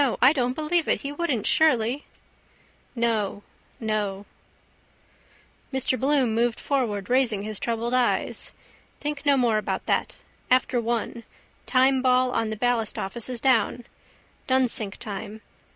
I don't believe it. He wouldn't surely? No, no. Mr Bloom moved forward, raising his troubled eyes. Think no more about that. After one. Timeball on the ballastoffice is down. Dunsink time.